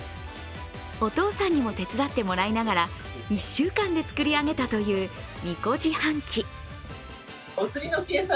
お父さんにも手伝ってもらいながら１週間で作り上げたというみこ自販機。